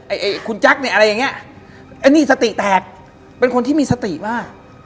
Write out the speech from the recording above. ไอ้คุณแจ๊คเนี่ยอะไรอย่างเงี้ยไอ้นี่สติแตกเป็นคนที่มีสติมาก